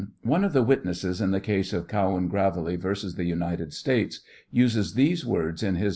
One of the witnesses in the case of CQwlam Graveley vs. The United States uses these words in his.